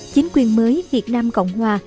chính quyền mới việt nam cộng hòa